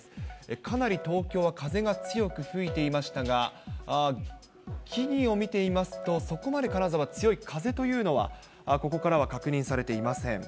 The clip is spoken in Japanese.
かなり東京は風が強く吹いていましたが、木々を見てみますと、そこまで金沢、強い風というのはここからは確認されていません。